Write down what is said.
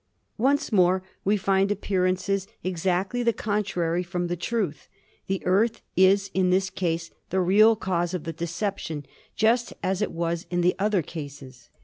"Once more we find appearances exactly the contrary from the truth. The Earth is in this case the real cause of the deception, just as it was in the other cases.